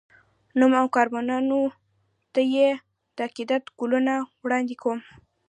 نوم او کارنامو ته یې د عقیدت ګلونه وړاندي کوم